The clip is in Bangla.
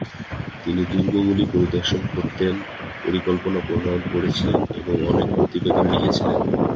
তিনি দুর্গগুলি পরিদর্শন করতেন, পরিকল্পনা প্রনয়ন করেছিলেন এবং অনেক প্রতিবেদন লিখেছিলেন।